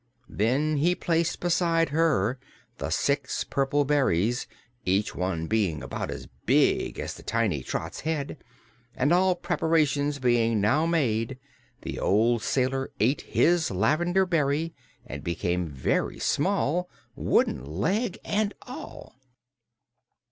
Then he placed beside her the six purple berries each one being about as big as the tiny Trot's head and all preparations being now made the old sailor ate his lavender berry and became very small wooden leg and all!